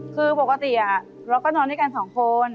คือปกติเราก็นอนด้วยกันสองคน